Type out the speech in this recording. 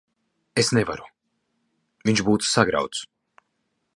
Es nevaru. Viņš būtu sagrauts.